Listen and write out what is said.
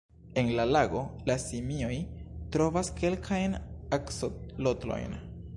En la lago, la simioj trovas kelkajn aksolotlojn.